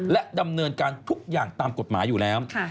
และดำเนินการทุกอย่างตามกฎหมายอยู่แล้ว